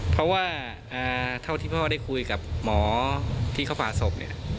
เพราะว่าเท่าที่พ่อได้คุยกับหมอที่เขาผ่าศพเนี่ย